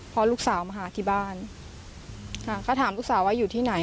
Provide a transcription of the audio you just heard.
พอลูกสาวมาหาที่บ้านค่ะก็ถามลูกสาวว่าอยู่ที่ไหน